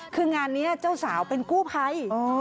คืองานนี้เจ้าสาวเป็นกู้ภัย